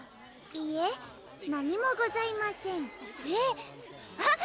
いえ何もございませんえっ